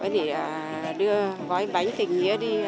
để đưa gói bánh tình nghĩa đi